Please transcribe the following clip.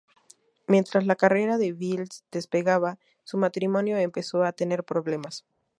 Mientras la carrera de Beals despegaba, su matrimonio empezó a tener problemas.